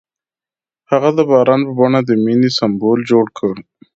هغه د باران په بڼه د مینې سمبول جوړ کړ.